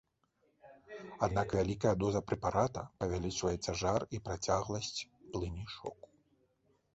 Аднак вялікая доза прэпарата павялічвае цяжар і працягласць плыні шоку.